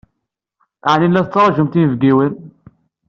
Ɛni la tettṛajumt inebgiwen?